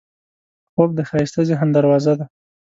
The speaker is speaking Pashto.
خوب د ښایسته ذهن دروازه ده